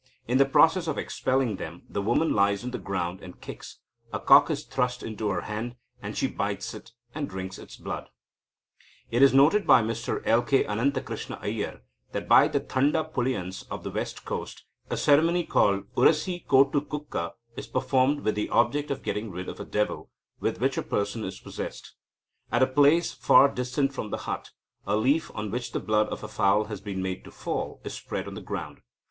In the process of expelling them, the woman lies on the ground and kicks. A cock is thrust into her hand, and she bites it, and drinks its blood. It is noted by Mr L. K. Anantha Krishna Iyer that by the Thanda Pulayans of the west coast "a ceremony called urasikotukkuka is performed with the object of getting rid of a devil, with which a person is possessed. At a place far distant from the hut, a leaf, on which the blood of a fowl has been made to fall, is spread on the ground.